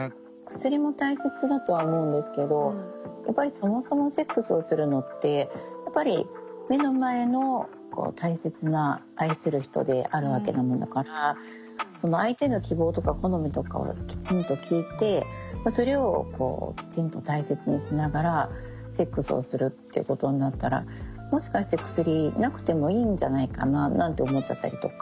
薬も大切だとは思うんですけどやっぱりそもそもセックスをするのってやっぱり目の前の大切な愛する人であるわけなのだからその相手の希望とか好みとかをきちんと聞いてそれをきちんと大切にしながらセックスをするっていうことになったらもしかして薬なくてもいいんじゃないかななんて思っちゃったりとか。